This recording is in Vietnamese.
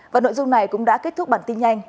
và nội dung này cũng đã kết thúc bản tin nhanh